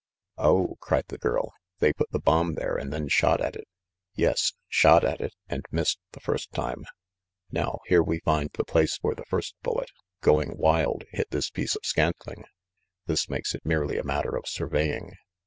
"Oh !" cried the girl. "They put the bomb there and then shot at it." "Yes. Shot at it — and missed the first time. Now, here we find the place where the first bullet, going wild, hit this piece of scantling. This makes it merely a matter of surveying.